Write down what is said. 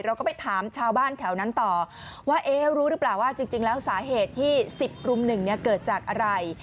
เราก็ไปถามชาวบ้านแถวนั้นต่อว่ารู้หรือเปล่าว่าจริงแล้วสาเหตุที่๑๐รุ่มหนึ่งเนี่ยเกิดจากอะไร